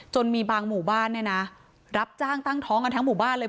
มีบางหมู่บ้านเนี่ยนะรับจ้างตั้งท้องกันทั้งหมู่บ้านเลย